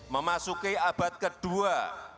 memasuki abad kedua